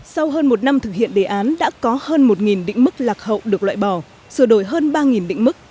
sau hơn một năm thực hiện đề án đã có hơn một định mức lạc hậu được loại bỏ sửa đổi hơn ba định mức